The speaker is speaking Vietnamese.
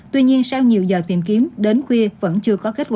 tuy nhiên sau nhiều giờ tìm kiếm đến khuya vẫn chưa có kết quả